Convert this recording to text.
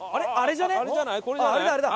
あれだあれだ！